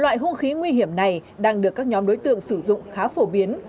loại hung khí nguy hiểm này đang được các nhóm đối tượng sử dụng khá phổ biến